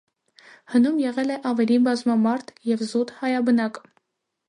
Հնում եղել է ավելի բազմամարդ և զուտ հայաբնակ։